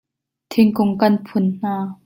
Thingkung kan phun hna.